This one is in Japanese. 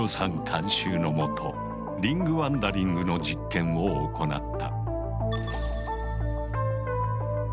監修のもとリングワンダリングの実験を行った。